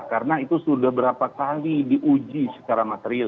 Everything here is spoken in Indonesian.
karena itu sudah berapa kali diuji secara material